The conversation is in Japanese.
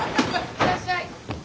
いらっしゃい。